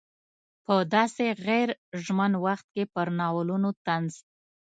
په داسې غیر ژمن وخت کې پر ناولونو طنز.